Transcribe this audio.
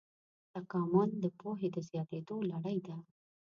تکامل د پوهې د زیاتېدو لړۍ ده.